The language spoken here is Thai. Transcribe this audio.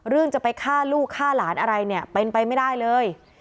จะไปฆ่าลูกฆ่าหลานอะไรเนี่ยเป็นไปไม่ได้เลย